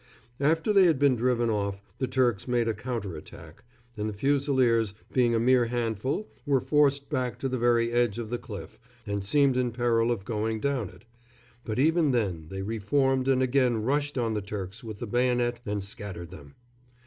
After they had been driven off the Turks made a counter attack, and the Fusiliers, being a mere handful, were forced back to the very edge of the cliff and seemed in peril of going down it; but even then they re formed and again rushed on the Turks with the bayonet and scattered them.